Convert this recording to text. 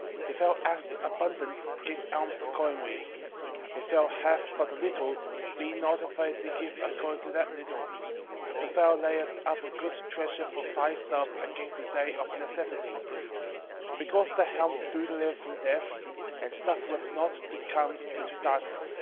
4:8 If thou hast abundance give alms accordingly: if thou have but a little, be not afraid to give according to that little: 4:9 For thou layest up a good treasure for thyself against the day of necessity. 4:10 Because that alms do deliver from death, and suffereth not to come into darkness.